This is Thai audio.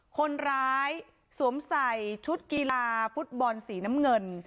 คนร้ายสวมใส่ชุดกีฬาฟุตบอลสีน้ำเงิน